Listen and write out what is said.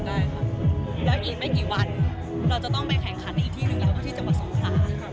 ความมั่นใจล่าสุดค่ะ